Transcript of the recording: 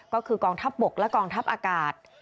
ก็คือกองทัพบกและกองทัพอากาศ